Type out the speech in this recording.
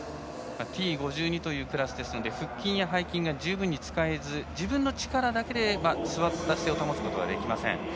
Ｔ５２というクラスですので腹筋、背筋が十分使えず自分の力だけで座った姿勢を保つことはできません。